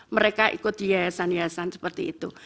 mereka ikut di yayasan yayasan seperti itu